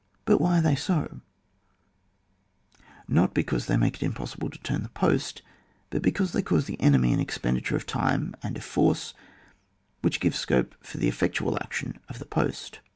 But why are they so ?— not because they make it impossible to turn the post, but because they cause the enemy an expenditure of time and of force, which gives scope for the effectual action of the post.